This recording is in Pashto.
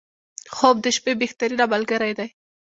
• خوب د شپې بهترینه ملګری دی.